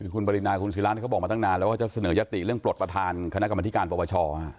คุณปรินาคุณศิราเขาบอกมาตั้งนานแล้วว่าจะเสนอยติเรื่องปลดประธานคณะกรรมธิการปปช